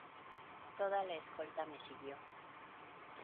toda la escolta me siguió.